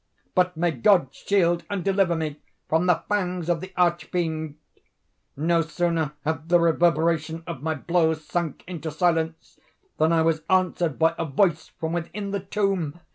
But may God shield and deliver me from the fangs of the Arch Fiend! No sooner had the reverberation of my blows sunk into silence, than I was answered by a voice from within the tomb!